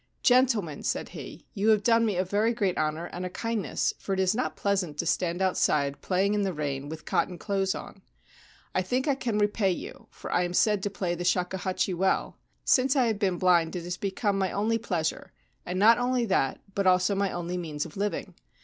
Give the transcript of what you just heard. ' Gentlemen/ said he, ' you have done me a very great honour, and a kindness, for it is not pleasant to stand outside playing in the rain with cotton clothes on. I think I can repay you, for I am said to play the shakuhachi well. Since I have been blind it has become my only pleasure, and not only that but also my only means of living.